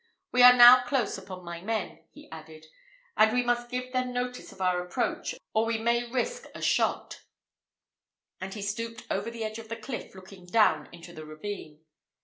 We are now close upon my men," he added, "and we must give them notice of our approach or we may risk a shot;" and he stooped over the edge of the cliff looking down into the ravine.